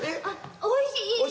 あっおいしい。